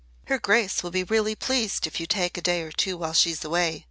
"Her grace will be really pleased if you take a day or two while she's away.